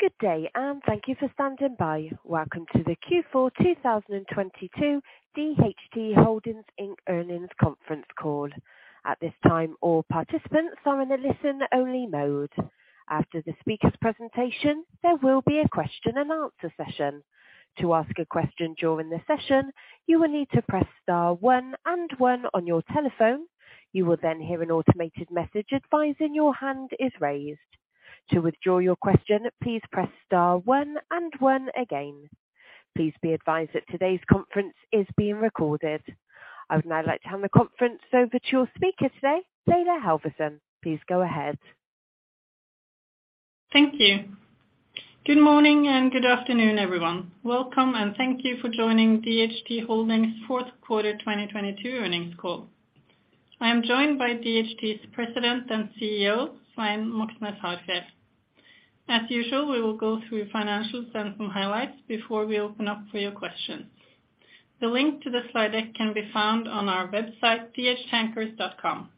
Good day, and thank you for standing by. Welcome to the Q4 2022 DHT Holdings, Inc. earnings conference call. At this time, all participants are in a listen-only mode. After the speaker's presentation, there will be a question and answer session. To ask a question during the session, you will need to Press Star one and one on your telephone. You will then hear an automated message advising your hand is raised. To withdraw your question, please press star one and one again. Please be advised that today's conference is being recorded. I would now like to hand the conference over to your speaker today, Laila Halvorsen. Please go ahead. Thank you. Good morning and good afternoon, everyone. Welcome and thank you for joining DHT Holdings fourth quarter 2022 earnings call. I am joined by DHT's President and CEO, Svein Moxnes Harfjeld. As usual, we will go through financials and some highlights before we open up for your questions. The link to the slide deck can be found on our website, dhttankers.com.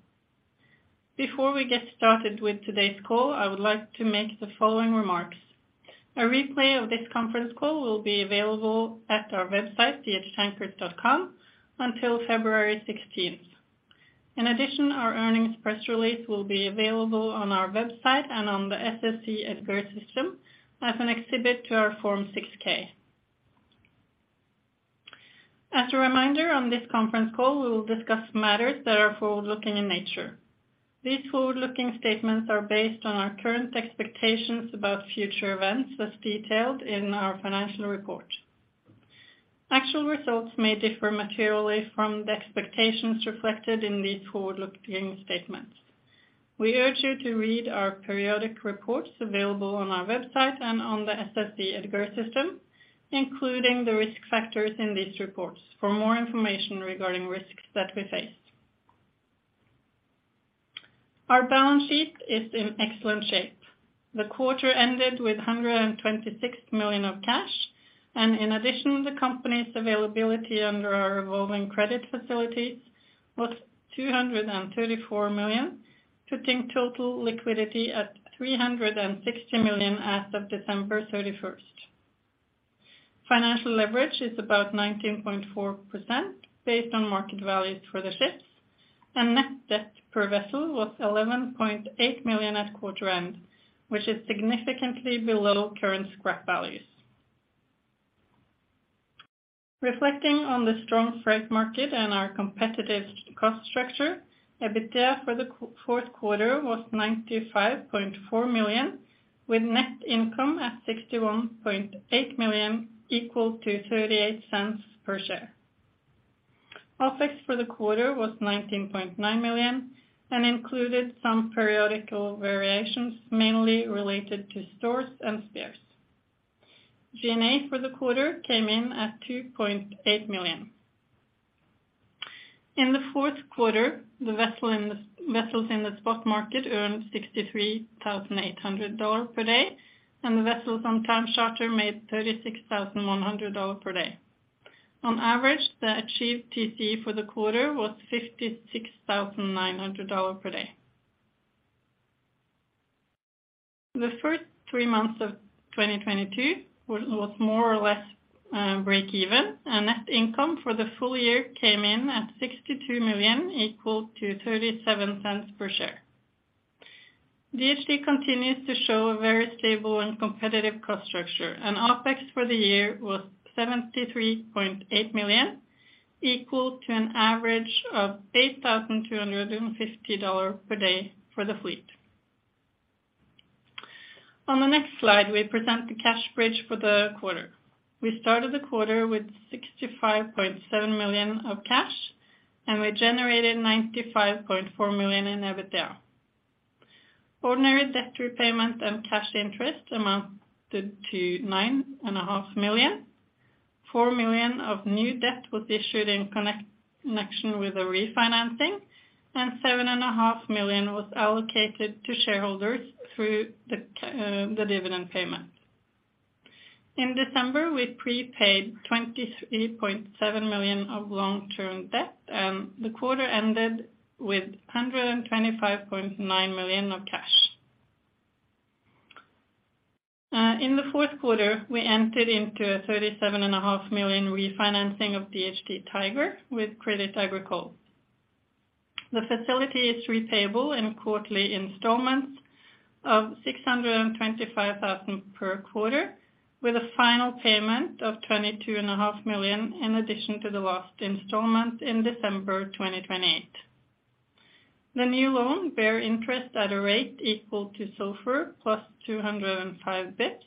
Before we get started with today's call, I would like to make the following remarks. A replay of this conference call will be available at our website, dhttankers.com, until 16th February. In addition, our earnings press release will be available on our website and on the SEC EDGAR system as an exhibit to our Form 6-K. As a reminder, on this conference call, we will discuss matters that are forward-looking in nature. These forward-looking statements are based on our current expectations about future events as detailed in our financial report. Actual results may differ materially from the expectations reflected in these forward-looking statements. We urge you to read our periodic reports available on our website and on the SEC EDGAR system, including the risk factors in these reports for more information regarding risks that we face. Our balance sheet is in excellent shape. The quarter ended with $126 million of cash, and in addition, the company's availability under our revolving credit facilities was $234 million, putting total liquidity at $360 million as of 31st December. Financial leverage is about 19.4% based on market values for the ships, and net debt per vessel was $11.8 million at quarter end, which is significantly below current scrap values. Reflecting on the strong freight market and our competitive cost structure, EBITDA for the fourth quarter was $95.4 million, with net income at $61.8 million, equal to $0.38 per share. OpEx for the quarter was $19.9 million and included some periodical variations, mainly related to stores and spares. G&A for the quarter came in at $2.8 million. In the fourth quarter, the vessels in the spot market earned $63,800 per day, and the vessels on time charter made $36,100 per day. On average, the achieved TCE for the quarter was $56,900 per day. The first three months of 2022 was more or less break even. Net income for the full year came in at $62 million, equal to $0.37 per share. DHT continues to show a very stable and competitive cost structure, and OpEx for the year was $73.8 million, equal to an average of $8,250 per day for the fleet. On the next slide, we present the cash bridge for the quarter. We started the quarter with $65.7 million of cash, and we generated $95.4 million in EBITDA. Ordinary debt repayment and cash interest amounted to nine and a half million dollars. $4 million of new debt was issued in connection with a refinancing, and seven and a half million dollars was allocated to shareholders through the dividend payment. In December, we prepaid $23.7 million of long-term debt, and the quarter ended with $125.9 million of cash. In the fourth quarter, we entered into a $37.5 million refinancing of DHT Tiger with Crédit Agricole. The facility is repayable in quarterly installments of $625,000 per quarter, with a final payment of $22.5 million in addition to the last installment in December 2028. The new loan bear interest at a rate equal to SOFR plus 205 bass points,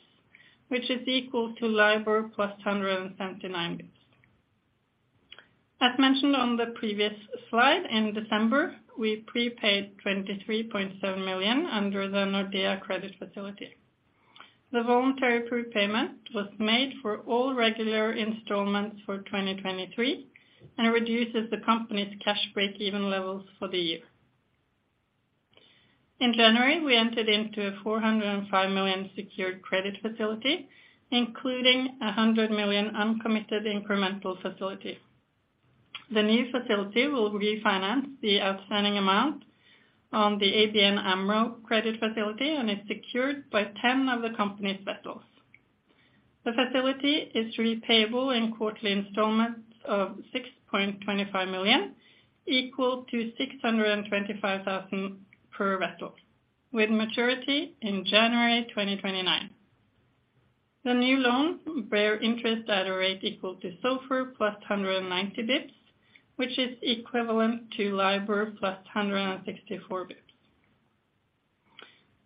which is equal to LIBOR plus 179 bass points. As mentioned on the previous slide, in December, we prepaid $23.7 million under the Nordea credit facility. The voluntary prepayment was made for all regular installments for 2023 and reduces the company's cash break-even levels for the year. In January, we entered into a $405 million secured credit facility, including a $100 million uncommitted incremental facility. The new facility will refinance the outstanding amount on the ABN AMRO credit facility and is secured by 10 of the company's vessels. The facility is repayable in quarterly installments of $6.25 million, equal to $625,000 per vessel, with maturity in January 2029. The new loans bear interest at a rate equal to SOFR plus 190 bass points, which is equivalent to LIBOR plus 164 bass points.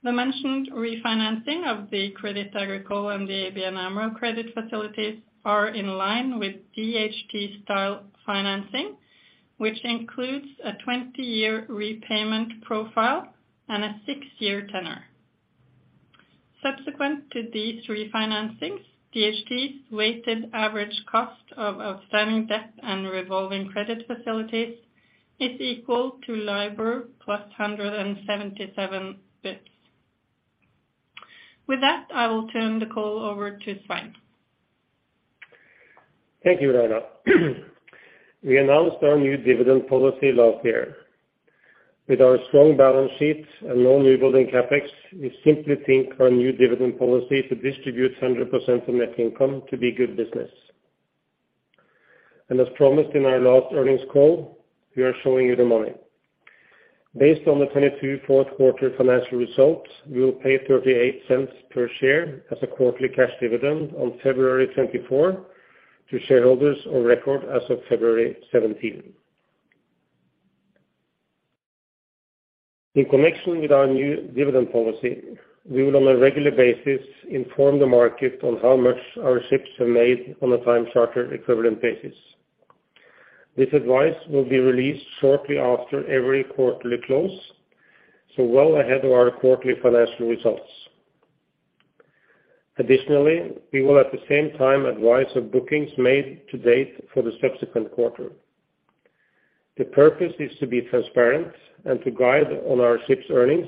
The mentioned refinancing of the Crédit Agricole and the ABN AMRO credit facilities are in line with DHT style financing, which includes a 20-year repayment profile and a six year tenor. Subsequent to these refinancings, DHT's weighted average cost of outstanding debt and revolving credit facilities is equal to LIBOR plus 177 bass points. With that, I will turn the call over to Svein. Thank you, Laila. We announced our new dividend policy last year. With our strong balance sheet and no new building CapEx, we simply think our new dividend policy to distribute 100% of net income to be good business. As promised in our last earnings call, we are showing you the money. Based on the 2022 fourth quarter financial results, we will pay $0.38 per share as a quarterly cash dividend on 24th February to shareholders on record as of 17th February. In connection with our new dividend policy, we will on a regular basis inform the market on how much our ships have made on a time charter equivalent basis. This advice will be released shortly after every quarterly close, so well ahead of our quarterly financial results. Additionally, we will at the same time advise of bookings made to date for the subsequent quarter. The purpose is to be transparent and to guide on our ships earnings,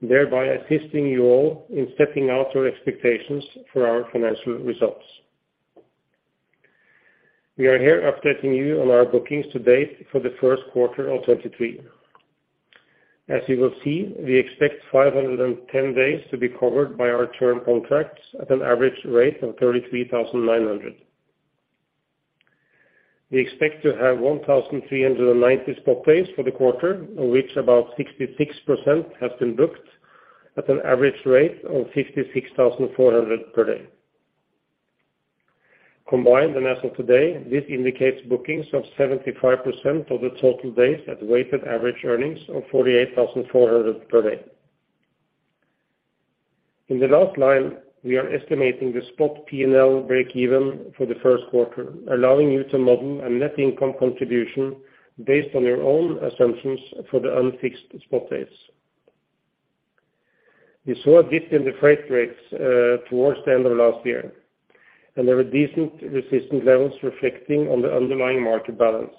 thereby assisting you all in setting out your expectations for our financial results. We are here updating you on our bookings to date for the first quarter of 2023. As you will see, we expect 510 days to be covered by our term contracts at an average rate of $33,900. We expect to have 1,390 spot days for the quarter, of which about 66% has been booked at an average rate of $56,400 per day. Combined, as of today, this indicates bookings of 75% of the total days at weighted average earnings of $48,400 per day. In the last line, we are estimating the spot P&L break even for the first quarter, allowing you to model a net income contribution based on your own assumptions for the unfixed spot days. You saw a dip in the freight rates, towards the end of last year, and there were decent resistant levels reflecting on the underlying market balance.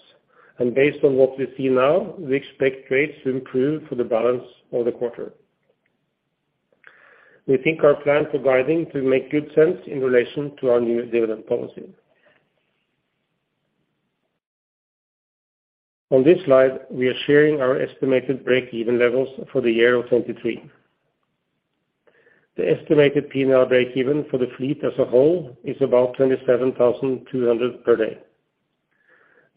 Based on what we see now, we expect rates to improve for the balance of the quarter. We think our plan for guiding to make good sense in relation to our new dividend policy. On this slide, we are sharing our estimated break even levels for the year of 2023. The estimated P&L break even for the fleet as a whole is about $27,200 per day.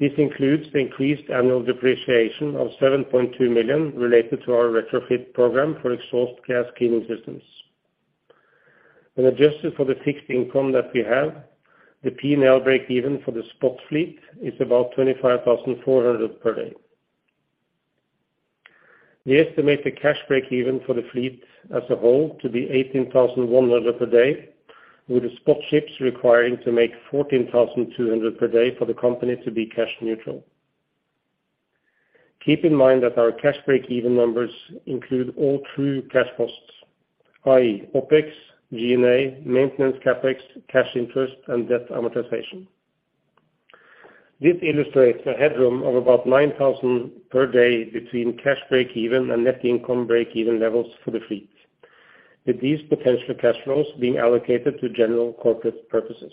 This includes the increased annual depreciation of $7.2 million related to our retrofit program for exhaust gas cleaning systems. When adjusted for the fixed income that we have, the P&L break even for the spot fleet is about $25,400 per day. We estimate the cash break even for the fleet as a whole to be $18,100 per day, with the spot ships requiring to make $14,200 per day for the company to be cash neutral. Keep in mind that our cash break even include all true cash costs, i.e. OpEx, G&A, maintenance CapEx, cash interest, and debt amortization. This illustrates a headroom of about $9,000 per day between cash break even and net income break even levels for the fleet, with these potential cash flows being allocated to general corporate purposes.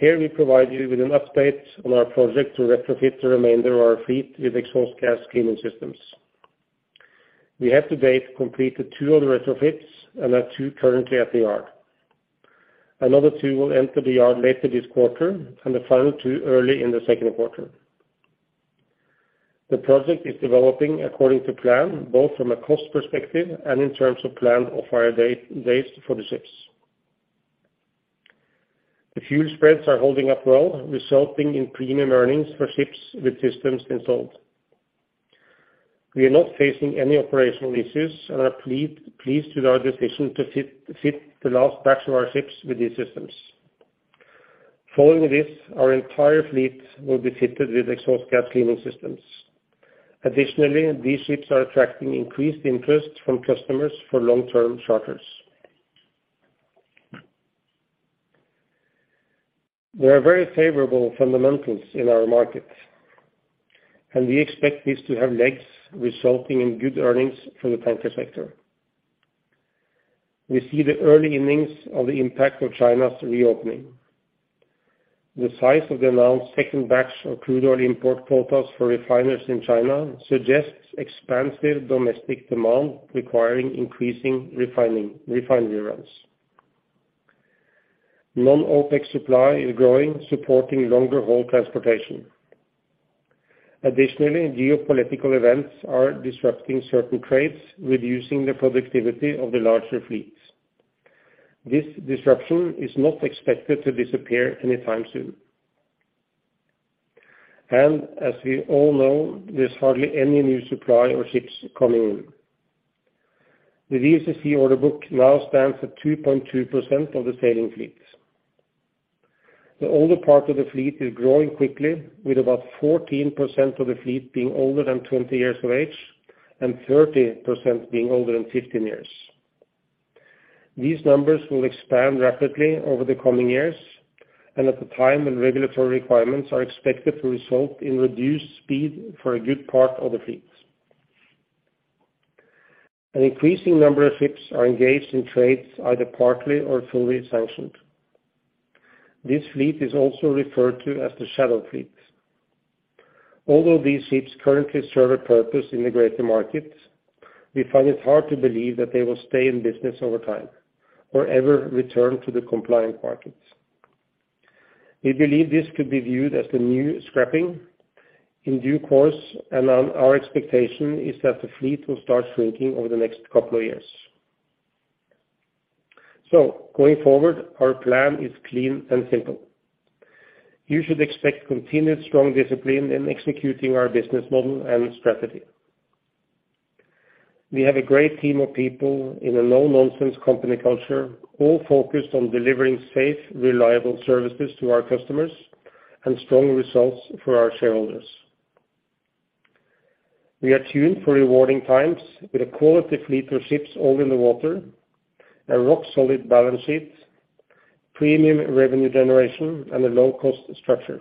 Here we provide you with an update on our project to retrofit the remainder of our fleet with exhaust gas cleaning systems. We have to date completed twi of the retrofits and have two currently at the yard. Another two will enter the yard later this quarter and the final two early in the second quarter. The project is developing according to plan, both from a cost perspective and in terms of planned off hire date-days for the ships. The fuel spreads are holding up well, resulting in premium earnings for ships with systems installed. We are not facing any operational issues and are pleased with our decision to fit the last batch of our ships with these systems. Following this, our entire fleet will be fitted with exhaust gas cleaning systems. Additionally, these ships are attracting increased interest from customers for long-term charters. There are very favorable fundamentals in our market. We expect this to have legs resulting in good earnings for the tanker sector. We see the early innings of the impact of China's reopening. The size of the announced second batch of crude oil import quotas for refiners in China suggests expansive domestic demand requiring increasing refinery runs. Non-OPEC supply is growing, supporting longer haul transportation. Additionally, geopolitical events are disrupting certain trades, reducing the productivity of the larger fleets. This disruption is not expected to disappear anytime soon. As we all know, there's hardly any new supply or ships coming in. The VLCC order book now stands at 2.2% of the sailing fleet. The older part of the fleet is growing quickly, with about 14% of the fleet being older than 20 years of age and 30% being older than 15 years. These numbers will expand rapidly over the coming years and at the time when regulatory requirements are expected to result in reduced speed for a good part of the fleet. An increasing number of ships are engaged in trades either partly or fully sanctioned. This fleet is also referred to as the shadow fleet. Although these ships currently serve a purpose in the greater markets, we find it hard to believe that they will stay in business over time or ever return to the compliant markets. We believe this could be viewed as the new scrapping in due course, and our expectation is that the fleet will start shrinking over the next couple of years. Going forward, our plan is clean and simple. You should expect continued strong discipline in executing our business model and strategy. We have a great team of people in a no nonsense company culture, all focused on delivering safe, reliable services to our customers and strong results for our shareholders. We are tuned for rewarding times with a quality fleet of ships all in the water, a rock solid balance sheet, premium revenue generation and a low cost structure.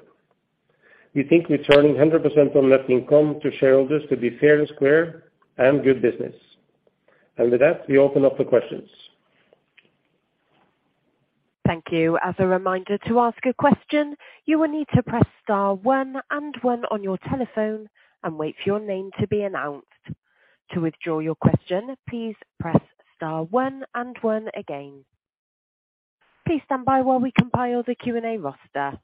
We think returning 100% on net income to shareholders to be fair and square and good business. With that, we open up for questions. Thank you. As a reminder to ask a question, you will need to press star one and one on your telephone and wait for your name to be announced. To withdraw your question, please press star one and one again. Please stand by while we compile the Q&A roster.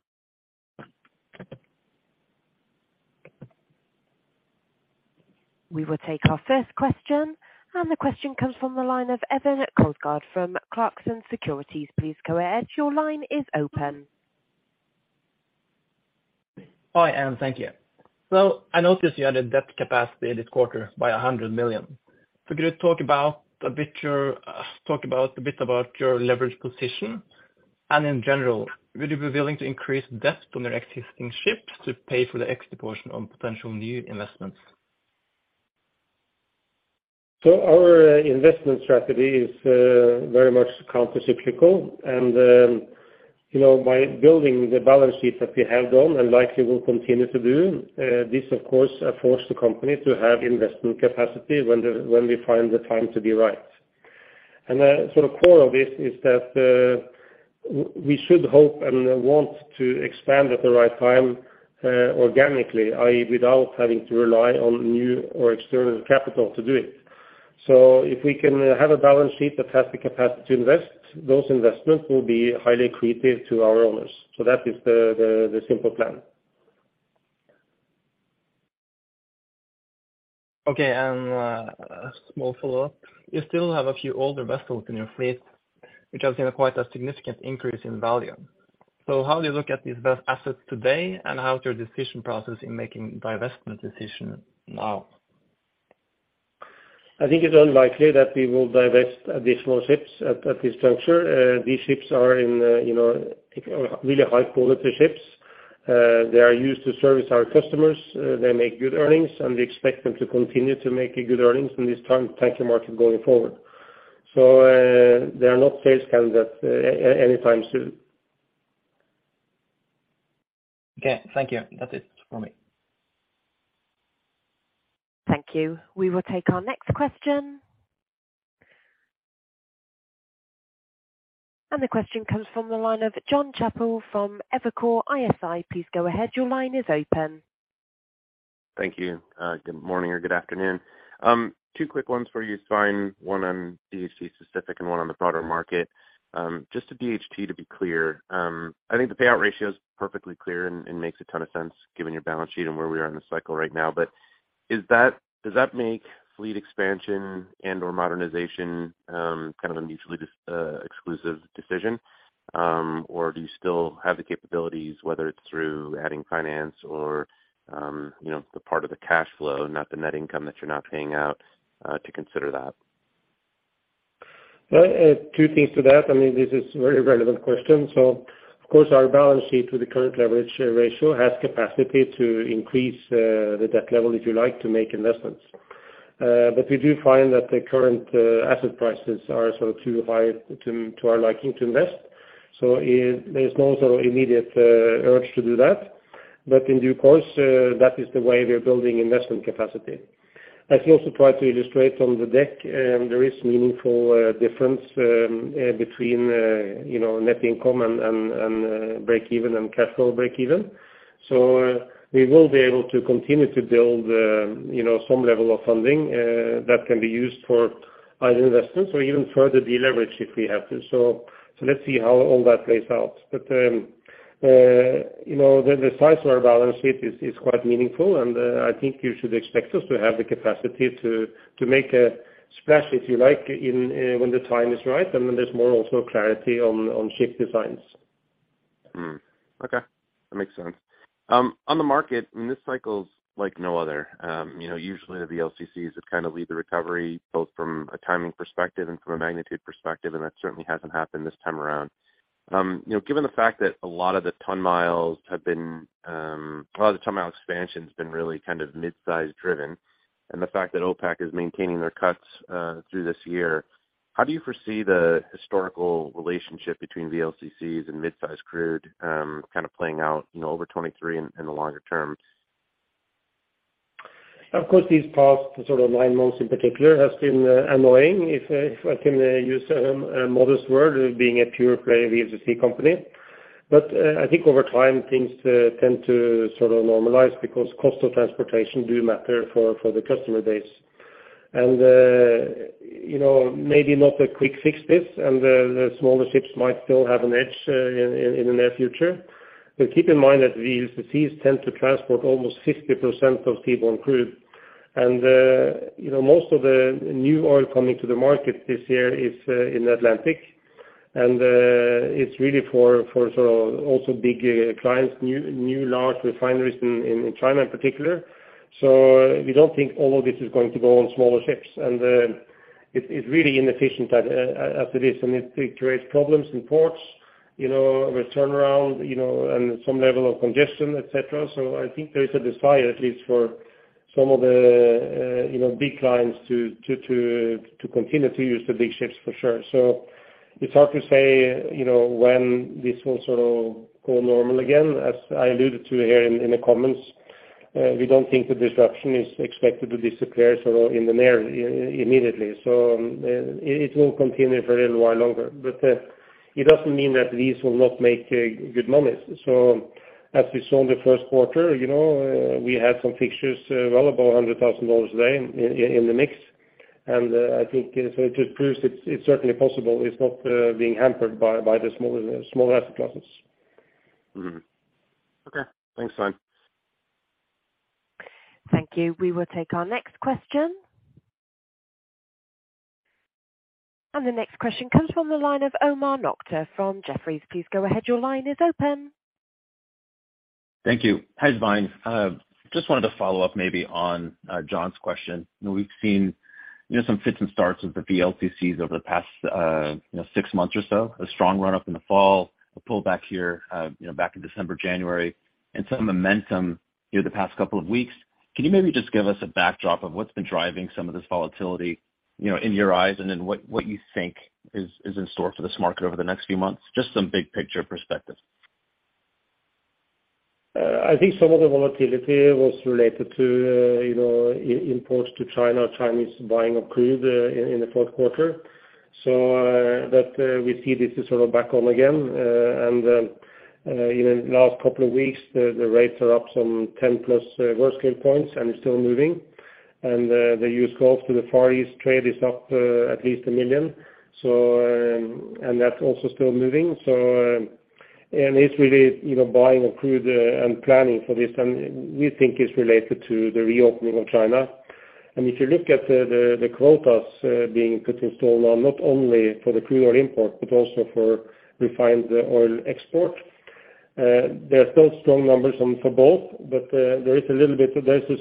We will take our first question. The question comes from the line of Even Kolsgaard from Clarksons Securities. Please go ahead. Your line is open. Hi. Thank you. I noticed you added debt capacity this quarter by $100 million. Could you talk about a bit about your leverage position and in general, would you be willing to increase debt on your existing ships to pay for the extra portion on potential new investments? Our investment strategy is very much countercyclical. You know, by building the balance sheet that we have done and likely will continue to do, this of course force the company to have investment capacity when we find the time to be right. The sort of core of this is that, we should hope and want to expand at the right time, organically, i.e., without having to rely on new or external capital to do it. If we can have a balance sheet that has the capacity to invest, those investments will be highly accretive to our owners. That is the simple plan. Okay. A small follow-up. You still have a few older vessels in your fleet which has seen quite a significant increase in value. How do you look at these assets today and how is your decision process in making divestment decision now? I think it's unlikely that we will divest these small ships at this juncture. These ships are in, you know, really high quality ships. They are used to service our customers. They make good earnings, and we expect them to continue to make good earnings in this tanker market going forward. They are not sales candidates anytime soon. Okay, thank you. That's it for me. Thank you. We will take our next question. The question comes from the line of Jonathan Chappell from Evercore ISI. Please go ahead. Your line is open. Thank you. good morning or good afternoon. Two quick ones for you, Svein, one on DHT specific and one on the broader market. Just at DHT to be clear, I think the payout ratio is perfectly clear and makes a ton of sense given your balance sheet and where we are in the cycle right now. Does that make fleet expansion and/or modernization, kind of a mutually exclusive decision? Do you still have the capabilities, whether it's through adding finance or, you know, the part of the cash flow, not the net income that you're not paying out, to consider that? Well, two things to that. I mean, this is very relevant question. Of course our balance sheet with the current leverage ratio has capacity to increase the debt level, if you like, to make investments. We do find that the current asset prices are sort of too high to our liking to invest. There's no sort of immediate urge to do that. In due course, that is the way we are building investment capacity. As we also tried to illustrate on the deck. There is meaningful difference between, you know, net income and break even and cash flow break even. We will be able to continue to build, you know, some level of funding that can be used for either investments or even further deleverage if we have to. Let's see how all that plays out. You know, the size of our balance sheet is quite meaningful, and I think you should expect us to have the capacity to make a splash, if you like, in when the time is right and when there's more also clarity on ship designs. Okay, that makes sense. On the market, this cycle's like no other, you know, usually the VLCCs that kind of lead the recovery both from a timing perspective and from a magnitude perspective, and that certainly hasn't happened this time around. You know, given the fact that a lot of the ton-mile expansion has been really kind of mid-size driven and the fact that OPEC+ is maintaining their cuts through this year, how do you foresee the historical relationship between VLCCs and mid-size crude kind of playing out, you know, over 23 in the longer term? Of course, these past sort of nine months in particular has been annoying, if I can use a modest word, being a pure play VLCC company. I think over time, things tend to sort of normalize because cost of transportation do matter for the customer base. You know, maybe not a quick fix this, and the smaller ships might still have an edge in the near future. Keep in mind that VLCCs tend to transport almost 50% of seaborne crude. You know, most of the new oil coming to the market this year is in Atlantic and it's really for sort of also big clients, new large refineries in China in particular. We don't think all of this is going to go on smaller ships. It is really inefficient as it is, and it creates problems in ports, you know, with turnaround, you know, and some level of congestion, et cetera. I think there is a desire, at least for some of the, you know, big clients to continue to use the big ships for sure. It's hard to say, you know, when this will sort of go normal again. As I alluded to here in the comments, we don't think the disruption is expected to disappear sort of immediately. It will continue for a little while longer. It doesn't mean that these will not make good money. As we saw in the first quarter, you know, we had some fixtures well above $100,000 a day in the mix. I think so it just proves it's certainly possible. It's not being hampered by the smaller asset classes. Mm-hmm. Okay. Thanks, Svein. Thank you. We will take our next question. The next question comes from the line of Omar Nokta from Jefferies. Please go ahead. Your line is open. Thank you. Hi, Svein. Just wanted to follow up maybe on Jon's question. You know, we've seen, you know, some fits and starts with the VLCCs over the past, you know, six months or so, a strong run up in the fall, a pullback here, you know, back in December, January, and some momentum, you know, the past couple of weeks. Can you maybe just give us a backdrop of what's been driving some of this volatility, you know, in your eyes? And then what you think is in store for this market over the next few months? Just some big picture perspective. I think some of the volatility was related to, you know, imports to China, Chinese buying of crude in the fourth quarter. But, we see this is sort of back on again. You know, last couple of weeks, the rates are up some 10 plus Worldscale points and still moving. The U.S. Gulf to the Far East trade is up at least $1 million. And that's also still moving. And it's really, you know, buying of crude and planning for this, and we think it's related to the reopening of China. If you look at the quotas being put in store now, not only for the crude oil import, but also for refined oil export, there are still strong numbers for both, but there's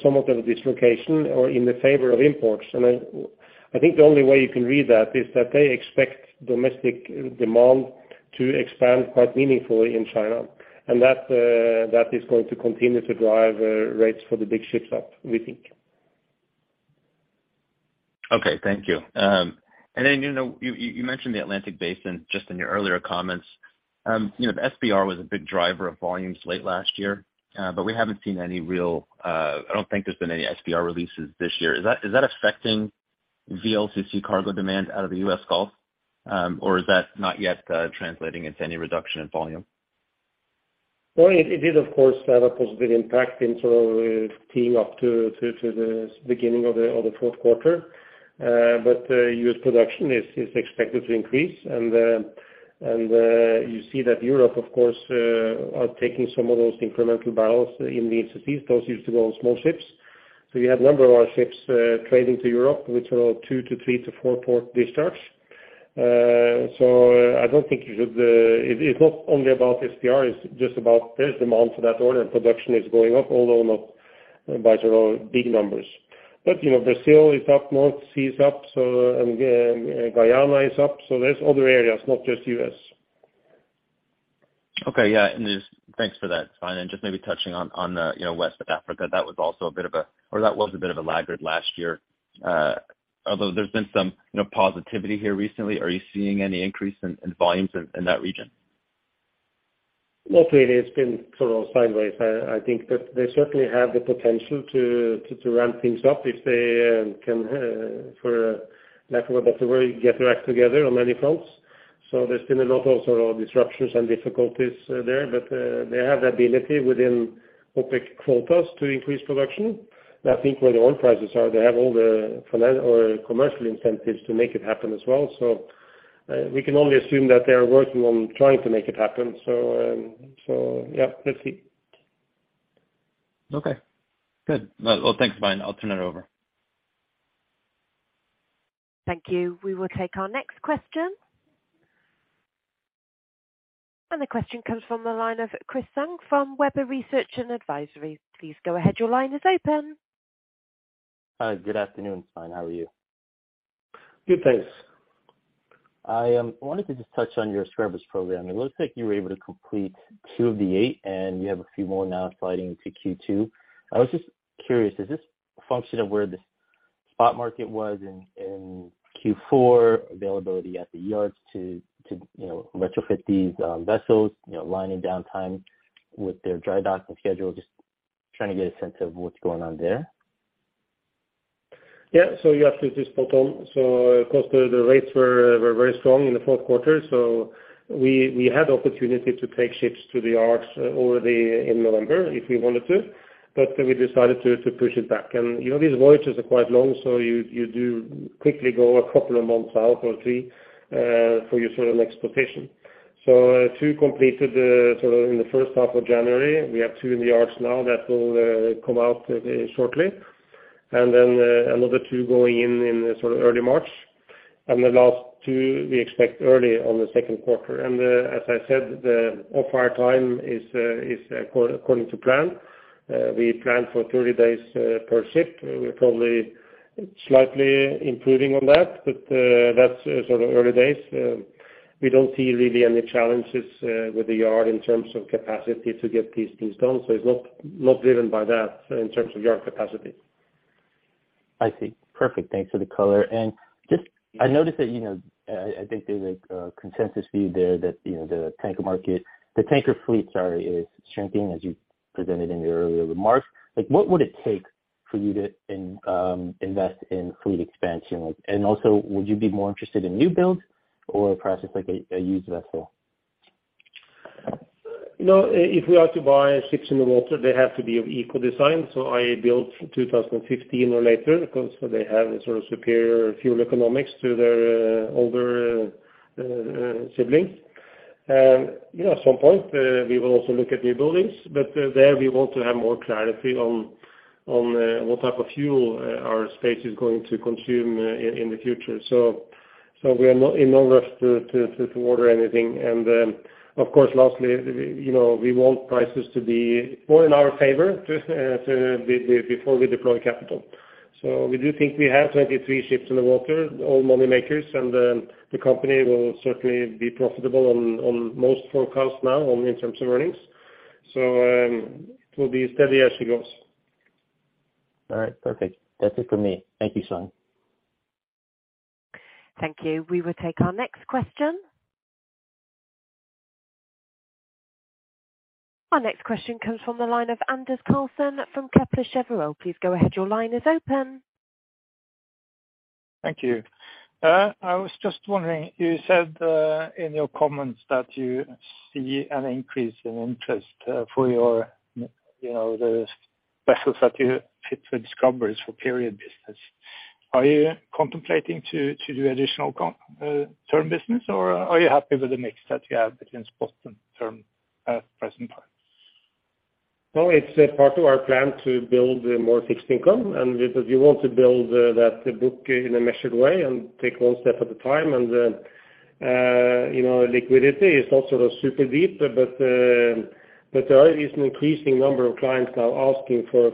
somewhat of a dislocation or in the favor of imports. I think the only way you can read that is that they expect domestic demand to expand quite meaningfully in China. That is going to continue to drive rates for the big ships up, we think. Okay. Thank you. You know, you mentioned the Atlantic Basin just in your earlier comments. You know, the SPR was a big driver of volumes late last year, but we haven't seen any real. I don't think there's been any SPR releases this year. Is that affecting VLCC cargo demand out of the U.S. Gulf? Is that not yet translating into any reduction in volume? Well, it did of course, have a positive impact in sort of teeing up to the beginning of the fourth quarter. U.S. production is expected to increase. You see that Europe, of course, are taking some of those incremental barrels in the institutions. Those used to go on small ships. You have a number of our ships trading to Europe, which are 2-3-4 port discharge. I don't think you should, it's not only about SPR, it's just about there's demand for that order and production is going up, although not by sort of big numbers. You know, Brazil is up, North Sea is up, Guyana is up. There's other areas, not just U.S. Okay. Yeah. thanks for that, Svein. just maybe touching on the, you know, West Africa, that was also a bit of a laggard last year, although there's been some, you know, positivity here recently. Are you seeing any increase in volumes in that region? Mostly it's been sort of sideways. I think that they certainly have the potential to ramp things up if they can, for lack of a better word, get their act together on many fronts. There's been a lot of sort of disruptions and difficulties there. They have the ability within OPEC quotas to increase production. I think where the oil prices are, they have all the or commercial incentives to make it happen as well. We can only assume that they are working on trying to make it happen. Yeah, we'll see. Okay. Good. Well, thanks, Svein. I'll turn it over. Thank you. We will take our next question. The question comes from the line of Chris Tsung from Webber Research & Advisory. Please go ahead. Your line is open. Good afternoon, Svein. How are you? Good, thanks. I wanted to just touch on your scrubbers program. It looks like you were able to complete two of the eight, and you have a few more now sliding into Q2. I was just curious, is this a function of where the spot market was in Q4 availability at the yards to, you know, retrofit these vessels, you know, lining downtime with their dry docking schedule? Just trying to get a sense of what's going on there. You actually just spot on. Of course the rates were very strong in the fourth quarter. We had opportunity to take ships to the yards already in November if we wanted to. We decided to push it back. You know, these voyages are quite long, so you do quickly go a couple of months out or three for your sort of next position. Two completed sort of in the first half of January. We have two in the yards now that will come out shortly. Another two going in in sort of early March. The last two we expect early on the second quarter. As I said, the off-hire time is according to plan. We plan for 30 days per ship. We are probably slightly improving on that. That's sort of early days. We don't see really any challenges with the yard in terms of capacity to get these things done. It's not driven by that in terms of yard capacity. I see. Perfect. Thanks for the color. Just I noticed that, you know, I think there's a consensus view there that, you know, the tanker fleet, sorry, is shrinking as you presented in your earlier remarks. Like, what would it take for you to invest in fleet expansion? Like, and also would you be more interested in new builds or perhaps just like a used vessel? If we are to buy ships in the water, they have to be of eco design. i.e. builds 2015 or later because they have a sort of superior fuel economics to their older siblings. At some point, we will also look at new buildings, but there we want to have more clarity on what type of fuel our space is going to consume in the future. We are not in no rush to order anything. Of course, lastly, we want prices to be more in our favor just before we deploy capital. We do think we have 23 ships in the water, all money makers, and then the company will certainly be profitable on most forecasts now in terms of earnings. It will be steady as she goes. All right. Perfect. That's it for me. Thank you, Svein. Thank you. We will take our next question. Our next question comes from the line of Anders Karlsen from Kepler Cheuvreux. Please go ahead. Your line is open. Thank you. I was just wondering, you said, in your comments that you see an increase in interest, for your, you know, the vessels that you fit for scrubbers for period business. Are you contemplating to do additional term business, or are you happy with the mix that you have between spot and term at present time? It's part of our plan to build more fixed income. Because you want to build that book in a measured way and take one step at a time. Then, you know, liquidity is not sort of super deep. But there is an increasing number of clients now asking for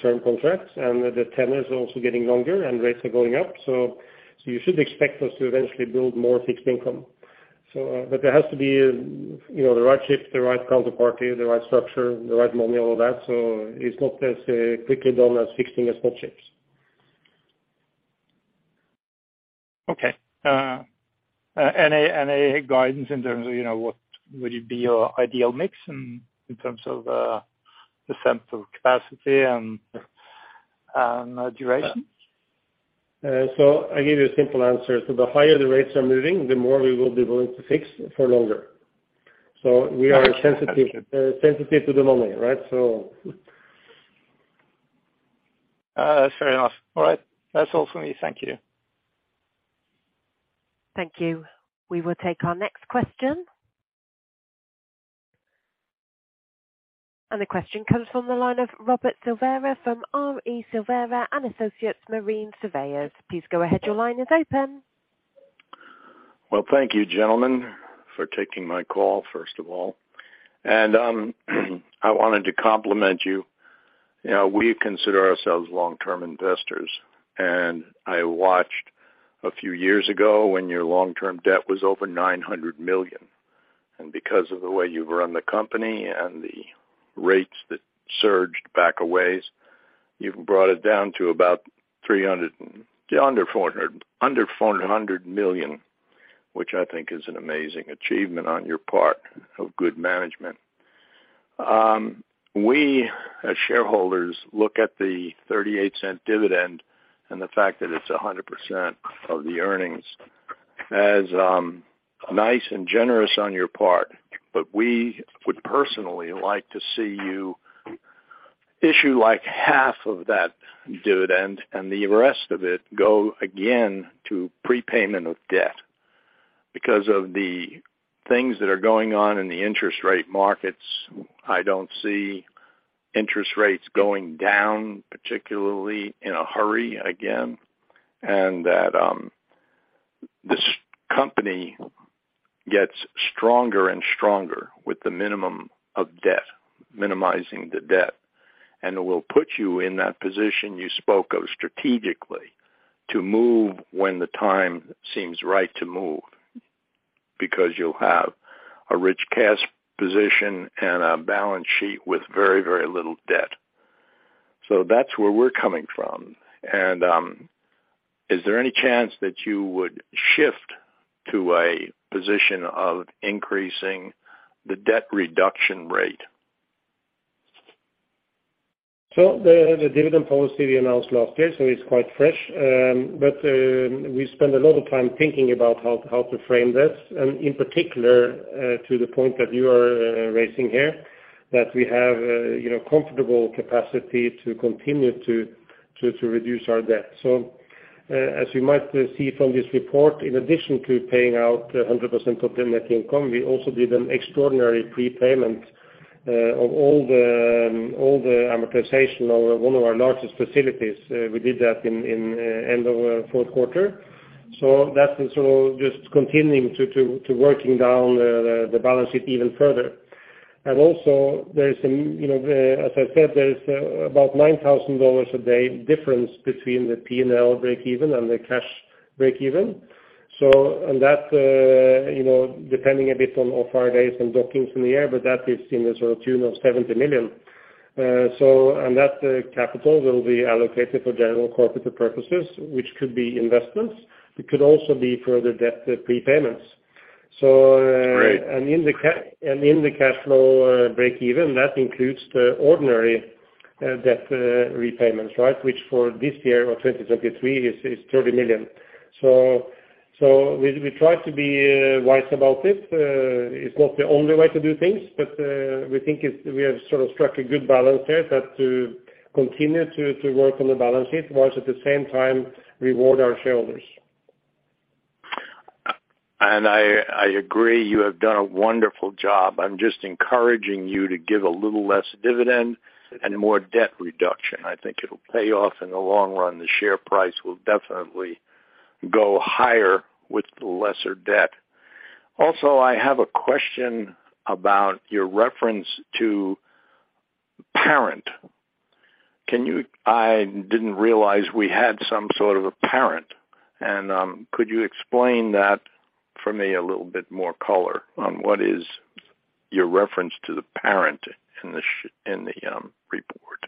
term contracts. The tenors are also getting longer and rates are going up. You should expect us to eventually build more fixed income. But there has to be, you know, the right ship, the right counterparty, the right structure, the right money, all that. It's not as quickly done as fixing a spot ships. Okay. Any guidance in terms of, you know, what would it be your ideal mix in terms of, the sense of capacity and duration? I give you a simple answer. The higher the rates are moving, the more we will be willing to fix for longer. We are sensitive to the money, right? That's fair enough. All right. That's all for me. Thank you. Thank you. We will take our next question. The question comes from the line of Robert Silvera from R.E. Silvera and Associates Marine Surveyors. Please go ahead. Your line is open. Well, thank you, gentlemen, for taking my call first of all. I wanted to compliment you. You know, we consider ourselves long-term investors, and I watched a few years ago when your long-term debt was over $900 million. Because of the way you've run the company and the rates that surged back a ways, you've brought it down to about under $400 million, which I think is an amazing achievement on your part of good management. We as shareholders look at the $0.38 dividend and the fact that it's 100% of the earnings as nice and generous on your part. We would personally like to see you issue like half of that dividend and the rest of it go again to prepayment of debt. Because of the things that are going on in the interest rate markets, I don't see interest rates going down, particularly in a hurry again. That this company gets stronger and stronger with the minimum of debt, minimizing the debt. It will put you in that position you spoke of strategically to move when the time seems right to move, because you'll have a rich cash position and a balance sheet with very, very little debt. That's where we're coming from. Is there any chance that you would shift to a position of increasing the debt reduction rate? The dividend policy we announced last year, so it's quite fresh. We spent a lot of time thinking about how to frame this, and in particular, to the point that you are raising here, that we have, you know, comfortable capacity to continue to reduce our debt. As you might see from this report, in addition to paying out 100% of the net income, we also did an extraordinary prepayment, of all the amortization of one of our largest facilities. We did that in end of fourth quarter. That is sort of just continuing to working down the balance sheet even further. Also there is some, you know, as I said, there is, about $9,000 a day difference between the P&L breakeven and the cash breakeven. That, you know, depending a bit on off hire days and dockings in the air, but that is in the sort of tune of $70 million. That capital will be allocated for general corporate purposes, which could be investments, it could also be further debt prepayments. Great In the cash flow breakeven, that includes the ordinary debt repayments, right? Which for this year or 2023 is $30 million. We try to be wise about it. It's not the only way to do things, but we think we have sort of struck a good balance here that to continue to work on the balance sheet whilst at the same time reward our shareholders. I agree. You have done a wonderful job. I'm just encouraging you to give a little less dividend and more debt reduction. I think it'll pay off in the long run. The share price will definitely go higher with lesser debt. Also, I have a question about your reference to parent. I didn't realize we had some sort of a parent. Could you explain that for me a little bit more color on what is your reference to the parent in the report?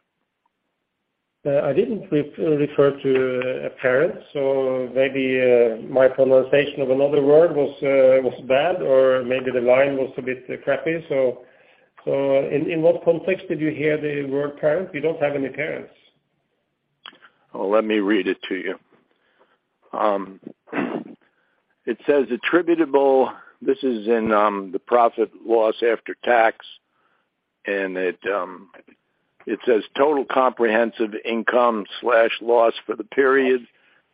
I didn't refer to a parent, so maybe my pronunciation of another word was bad, or maybe the line was a bit crappy. In what context did you hear the word parent? We don't have any parents. Well, let me read it to you. It says attributable. This is in, the profit loss after tax. It says total comprehensive income slash loss for the period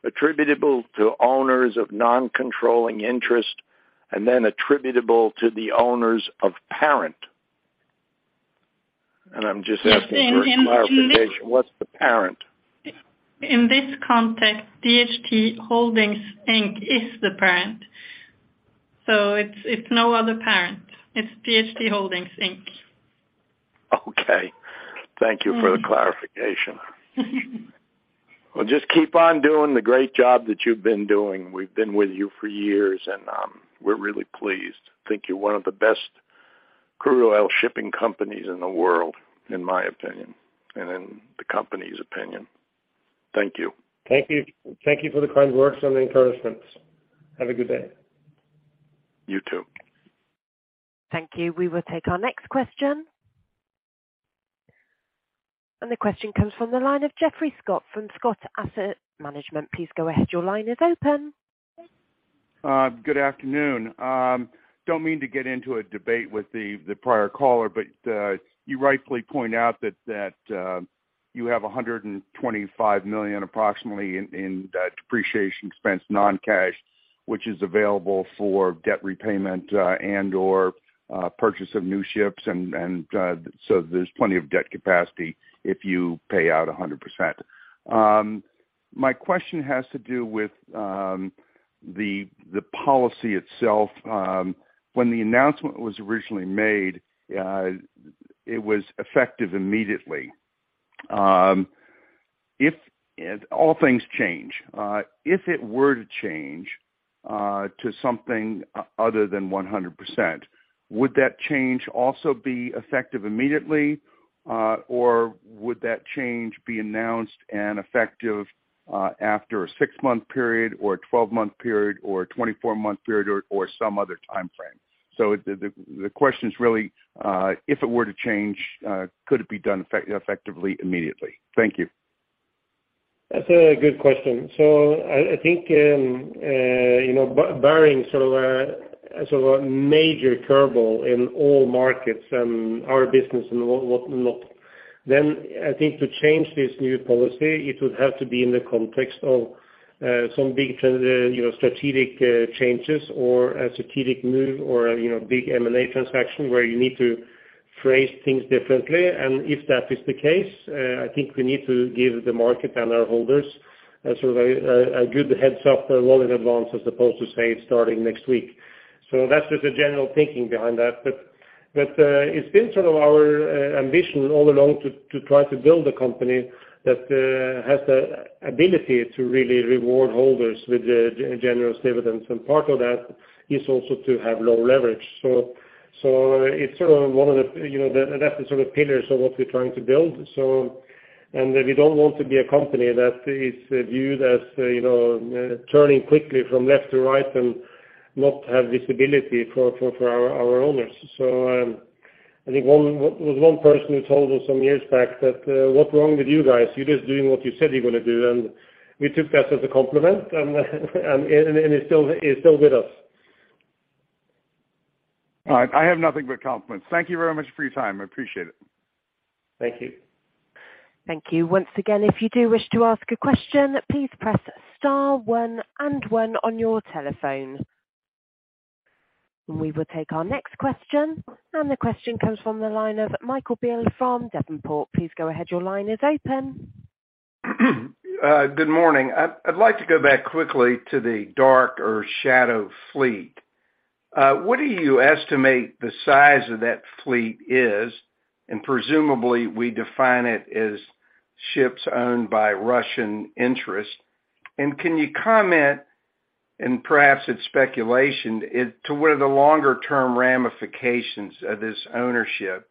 attributable to owners of non-controlling interest and then attributable to the owners of parent. I'm just asking for clarification. What's the parent? In this context, DHT Holdings Inc. is the parent. It's no other parent. It's DHT Holdings Inc. Okay. Thank you for the clarification. Well, just keep on doing the great job that you've been doing. We've been with you for years, we're really pleased. Think you're one of the best crude oil shipping companies in the world, in my opinion, and in the company's opinion. Thank you. Thank you. Thank you for the kind words and encouragement. Have a good day. You too. Thank you. We will take our next question. The question comes from the line of Geoffrey Scott from Scott Asset Management. Please go ahead. Your line is open. Good afternoon. Don't mean to get into a debate with the prior caller, you rightfully point out that you have $125 million approximately in that depreciation expense, non-cash, which is available for debt repayment and/or purchase of new ships. There's plenty of debt capacity if you pay out 100%. My question has to do with the policy itself. When the announcement was originally made, it was effective immediately. All things change. If it were to change to something other than 100%, would that change also be effective immediately, or would that change be announced and effective after a six month period or a 12-month period, or a 24-month period or some other time frame? The question is really, if it were to change, could it be done effectively immediately? Thank you. That's a good question. I think, you know, barring sort of a major curveball in all markets and our business and what not, then I think to change this new policy, it would have to be in the context of some big, you know, strategic changes or a strategic move or, you know, big M&A transaction where you need to phrase things differently. If that is the case, I think we need to give the market and our holders sort of a good heads-up well in advance, as opposed to, say, starting next week. That's just a general thinking behind that. It's been sort of our ambition all along to try to build a company that has the ability to really reward holders with the generous dividends. Part of that is also to have low leverage. It's sort of one of the, you know, that's the sort of pillars of what we're trying to build. We don't want to be a company that is viewed as, you know, turning quickly from left to right and not have visibility for our owners. I think there was one person who told us some years back that, "What's wrong with you guys? You're just doing what you said you're gonna do." We took that as a compliment and he's still with us. All right. I have nothing but compliments. Thank you very much for your time. I appreciate it. Thank you. Thank you. Once again, if you do wish to ask a question, please press star one and one on your telephone. We will take our next question, and the question comes from the line of Michael Beale from Devonport. Please go ahead. Your line is open. Good morning. I'd like to go back quickly to the dark or shadow fleet. What do you estimate the size of that fleet is? Presumably, we define it as ships owned by Russian interests. Can you comment, and perhaps it's speculation, to what are the longer term ramifications of this ownership?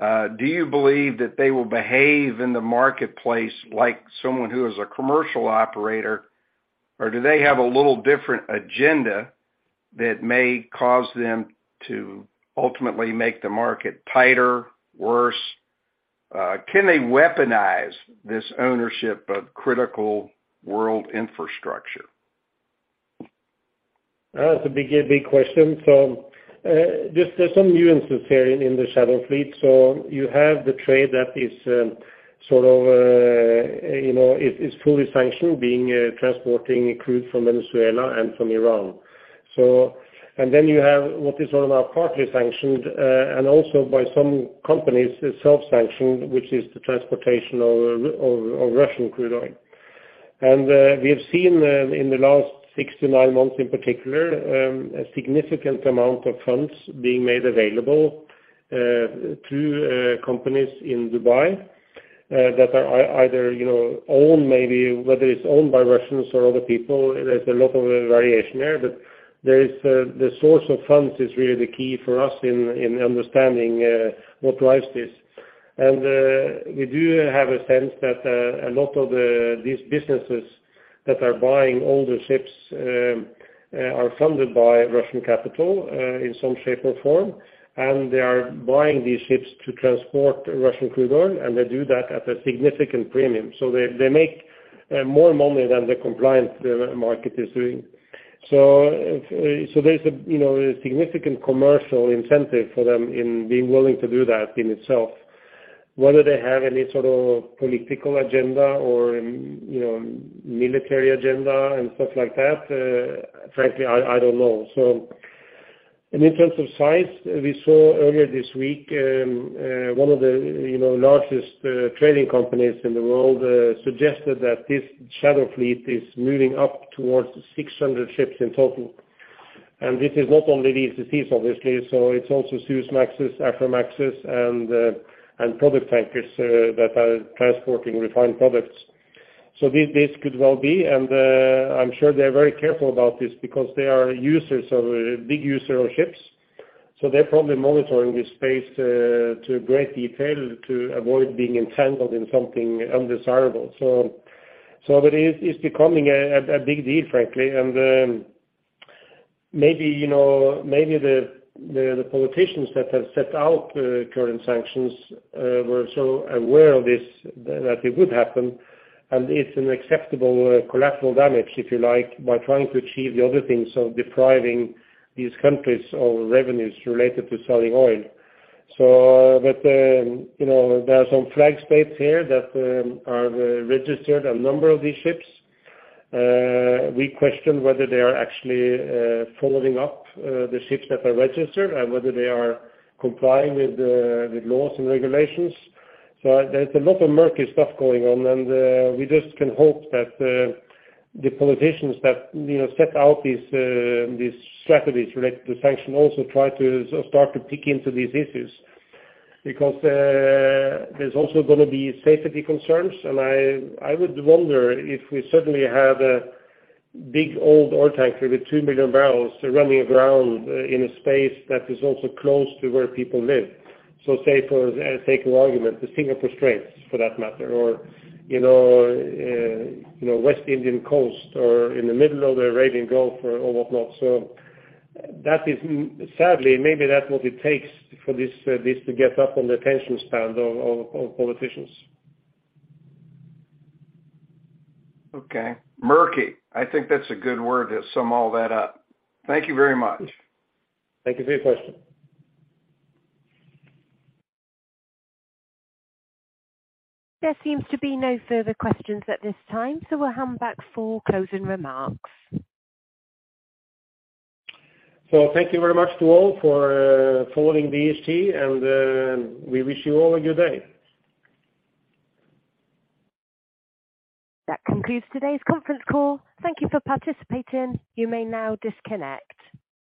Do you believe that they will behave in the marketplace like someone who is a commercial operator, or do they have a little different agenda that may cause them to ultimately make the market tighter, worse? Can they weaponize this ownership of critical world infrastructure? That's a big question. There's some nuances here in the shadow fleet. You have the trade that is, sort of, you know, it's fully sanctioned being, transporting crude from Venezuela and from Iran. Then you have what is sort of partly sanctioned, and also by some companies self-sanctioned, which is the transportation of Russian crude oil. We have seen in the last six to nine months in particular, a significant amount of funds being made available to companies in Dubai that are either, you know, owned maybe whether it's owned by Russians or other people. There's a lot of variation there. There is the source of funds is really the key for us in understanding what drives this. We do have a sense that a lot of these businesses that are buying older ships are funded by Russian capital in some shape or form, and they are buying these ships to transport Russian crude oil, and they do that at a significant premium. They make more money than the compliance the market is doing. There's a, you know, a significant commercial incentive for them in being willing to do that in itself. Whether they have any sort of political agenda or, you know, military agenda and stuff like that, frankly, I don't know. In terms of size, we saw earlier this week, one of the, you know, largest trading companies in the world suggested that this shadow fleet is moving up towards 600 ships in total. This is not only the VLCCs obviously, it's also Suezmaxes, Aframaxes and product tankers that are transporting refined products. This could well be and I'm sure they're very careful about this because they are big user of ships, they're probably monitoring this space to great detail to avoid being entangled in something undesirable. It is, it's becoming a big deal, frankly. Maybe, you know, maybe the politicians that have set out current sanctions were so aware of this that it would happen and it's an acceptable collateral damage, if you like, by trying to achieve the other things of depriving these countries of revenues related to selling oil. You know, there are some flag states here that have registered a number of these ships. We question whether they are actually following up the ships that are registered and whether they are complying with the laws and regulations. There's a lot of murky stuff going on, and we just can hope that the politicians that, you know, set out these strategies related to sanction also try to start to peek into these issues. Because there's also gonna be safety concerns. I would wonder if we suddenly have a big old oil tanker with 2 million barrels running aground in a space that is also close to where people live. Say for sake of argument, the Singapore Straits for that matter, or, you know, West Indian coast or in the middle of the Arabian Gulf or whatnot. That sadly, maybe that's what it takes for this to get up on the attention span of politicians. Okay. Murky, I think that's a good word to sum all that up. Thank you very much. Thank you for your question. There seems to be no further questions at this time. We'll hand back for closing remarks. Thank you very much to all for following DHT and we wish you all a good day. That concludes today's Conference Call. Thank you for participating. You may now disconnect.